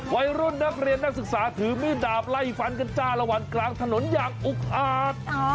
วัยรุ่นนักเรียนนักศึกษาถือมีดดาบไล่ฟันกันจ้าละวันกลางถนนอย่างอุกอาจ